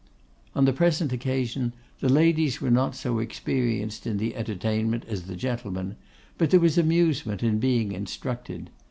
On the present occasion the ladies were not so experienced in the entertainment as the gentlemen; but there was amusement in being instructed.